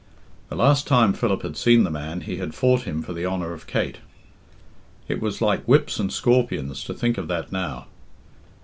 The last time Philip had seen the man he had fought him for the honour of Kate. It was like whips and scorpions to think of that now.